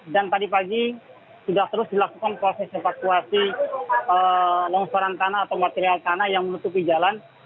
dan tadi pagi sudah terus dilakukan proses evakuasi longsoran tanah atau material tanah yang menutupi jalan